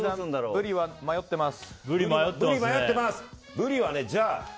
ブリ、迷ってます。